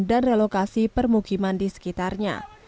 dan penyelenggaraan permukiman di sekitarnya